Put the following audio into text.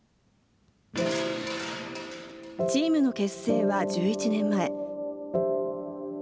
チームの結成は１１年前。